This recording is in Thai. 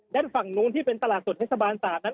ด้านฝั่งนู้นที่เป็นตลาดสดเฮษฐาบาลศาสตร์นั้น